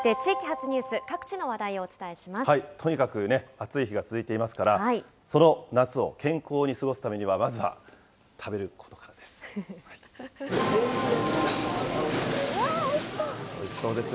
続いて地域発ニュース、各地とにかくね、暑い日が続いていますから、その夏を健康に過ごすためには、まずは食べることかうわー、おいしそう。